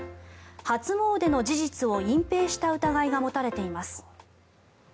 初詣の事実を隠ぺいした疑いが持たれています。